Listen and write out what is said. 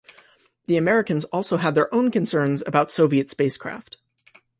The Americans also had their own concerns about Soviet spacecraft.